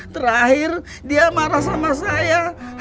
terakhir dia marah sama saya